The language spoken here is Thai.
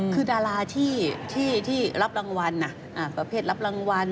คือดาราที่รับรางวัลประเภทรับรางวัล